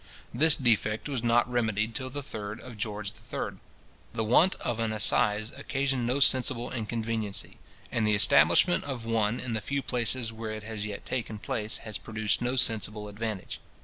This defect was not remedied till the third of George III. The want of an assize occasioned no sensible inconveniency; and the establishment of one in the few places where it has yet taken place has produced no sensible advantage.